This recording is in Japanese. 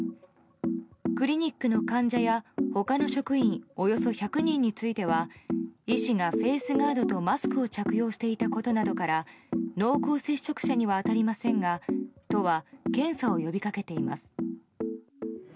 クリニックの患者や他の職員およそ１００人については医師がフェースガードとマスクを着用していたことなどから濃厚接触者には当たりませんが都は、検査を呼び掛けています。